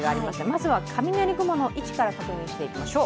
まずは雷雲の位置から確認していきましょう。